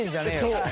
そう。